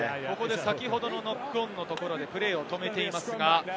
先ほどのノックオンのところでプレーを止めています。